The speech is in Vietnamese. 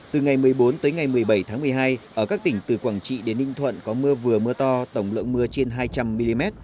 từ ngày một mươi bốn tới ngày một mươi bảy tháng một mươi hai ở các tỉnh từ quảng trị đến ninh thuận có mưa vừa mưa to tổng lượng mưa trên hai trăm linh mm